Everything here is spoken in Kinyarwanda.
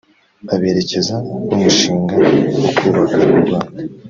Aberekeza b’umushinga wo kubaka u Rwanda